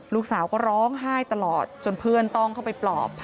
ลูกสาวก็ร้องไห้ตลอดจนเพื่อนต้องเข้าไปปลอบ